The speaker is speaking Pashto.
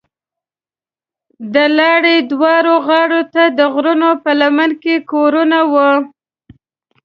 د لارې دواړو غاړو ته د غرونو په لمنو کې کورونه وو.